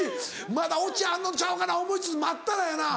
まだオチあんのちゃうかなと思いつつ待ったらやな